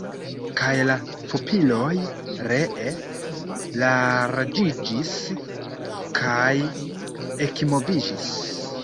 Kaj la pupiloj ree larĝiĝis kaj ekmoviĝis.